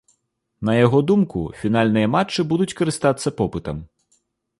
На яго думку, фінальныя матчы будуць карыстацца попытам.